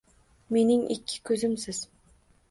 Mening ikki ko‘zimsiz.